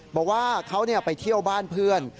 บอกว่าเขาไปเที่ยวบ้านเพื่อน